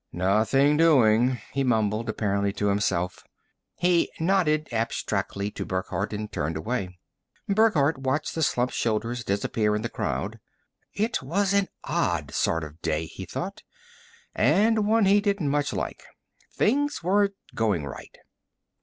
"Nothing doing," he mumbled, apparently to himself. He nodded abstractedly to Burckhardt and turned away. Burckhardt watched the slumped shoulders disappear in the crowd. It was an odd sort of day, he thought, and one he didn't much like. Things weren't going right.